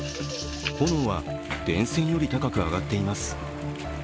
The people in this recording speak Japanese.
炎は、電線より高く上がっています